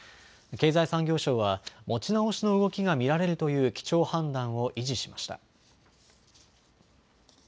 経済産業省は、持ち直しの動きが見られるという基調判断を維持しました。